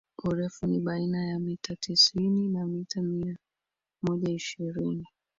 urefu ni baina ya mita tisini na mita mia moja ishirini